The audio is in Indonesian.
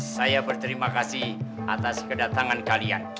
saya berterima kasih atas kedatangan kalian